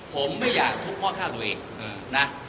ผมไม่อยากทุกค่าตัวเอง